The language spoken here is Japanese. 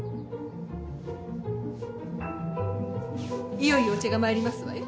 いよいよお茶が参りますわよ。